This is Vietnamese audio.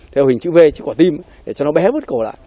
theo hình chữ v chữ quả tim để cho nó bé bứt cổ lại